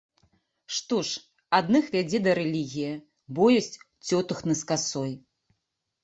Што ж, адных вядзе да рэлігіі боязь цётухны з касой.